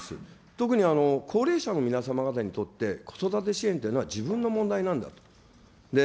特に高齢者の皆様方にとって、子育て支援というのは自分の問題なんだと。